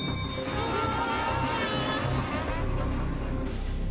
うわ！